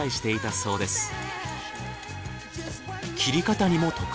そうですね。